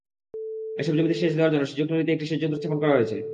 এসব জমিতে সেচ দেওয়ার জন্য শিজক নদীতে একটি সেচযন্ত্র স্থাপন করা হয়েছে।